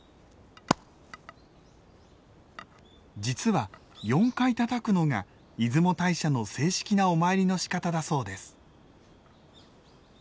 実は４回たたくのが出雲大社の正式なお参りのしかただそうです。